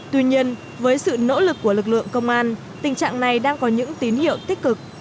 tuy nhiên với sự nỗ lực của lực lượng công an tình trạng này đang có những tín hiệu tích cực